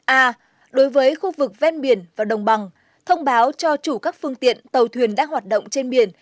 a đối với khu vực ven biển và đồng bằng thông báo cho chủ các phương tiện tàu thuyền đã hoạt động trên biển